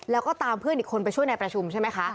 แล้วก็ตามเพื่อนอีกคนไปช่วยในประชุมใช่ไหมคะ